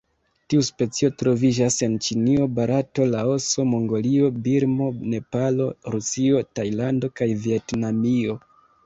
Tiu specio troviĝas en Ĉinio, Barato, Laoso, Mongolio, Birmo, Nepalo, Rusio, Tajlando kaj Vjetnamio.